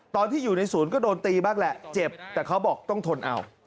ตอนที่อยู่ในศูนย์ก็โดนตีบ้างแหละเจ็บแต่เขาบอกต้องทนเอา